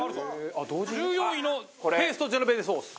１４位のペーストジェノベーゼソース。